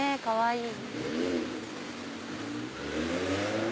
かわいい。